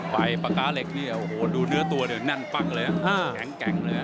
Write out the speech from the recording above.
ไฟปากราเหล็กนี่โอ้โหดูเนื้อตัวเนี่ยนั่นปั๊งเลยแข็งเลย